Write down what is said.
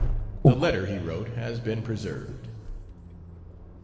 The letter he wrote has been preserved.